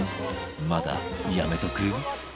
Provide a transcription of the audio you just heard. まだやめとく？